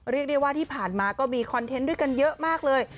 เรียกได้ว่าที่ผ่านมาก็มีคอนเทนต์ด้วยกันเยอะมากเลย